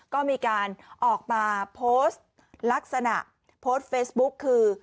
ก็มีการออกมาโพสต์ลักษณะโพสต์เฟซบุ๊กคือ